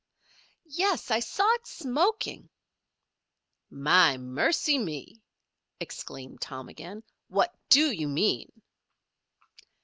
"Yes. I saw it smoking." "My mercy me!" exclaimed Tom again. "What do you mean?"